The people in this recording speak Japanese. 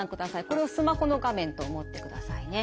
これをスマホの画面と思ってくださいね。